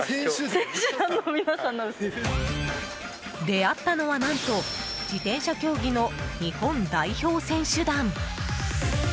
出会ったのは何と自転車競技の日本代表選手団。